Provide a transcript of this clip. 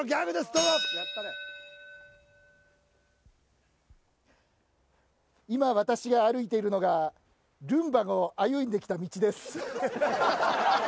どうぞ今私が歩いているのがルンバゴ歩んできた道です・